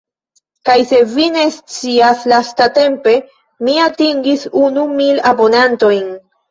Kaj se vi ne scias lastatempe mi atingis unu mil abonantojn.